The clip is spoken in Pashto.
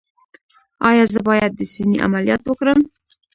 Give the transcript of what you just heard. ایا زه باید د سینې عملیات وکړم؟